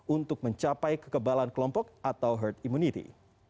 untuk mencapai kekebalan kelompok atau herd immunity